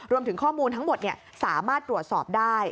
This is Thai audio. รวมถึงข้อมูลทั้งหมดสามารถตรวจสอบได้